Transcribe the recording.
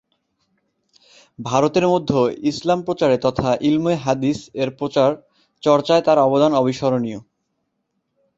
ভারতের মধ্যে ইসলাম প্রচারে তথা ইলমে হাদিস-এর প্রচার চর্চায় তার অবদান অবিস্মরণীয়।